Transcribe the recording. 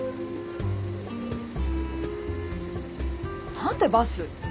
何でバス？